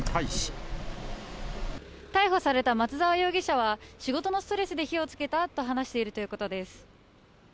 逮捕された松沢容疑者は、仕事のストレスで火をつけたと話しているということです。